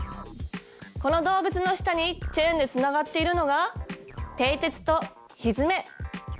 この動物の下にチェーンでつながっているのがてい鉄とひづめ。